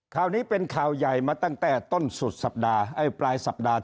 ข่าวนี้เป็นข่าวใหญ่มาตั้งแต่ต้นปราย